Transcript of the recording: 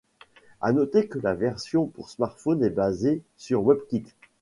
À noter que la version pour smartphones est basée sur WebKit.